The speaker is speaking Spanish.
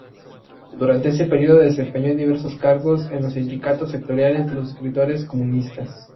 Durante ese período desempeñó diversos cargos en los sindicatos sectoriales de los escritores comunistas.